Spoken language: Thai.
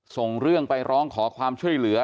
ส่งเรื่องไปร้องขอความช่วยเหลือ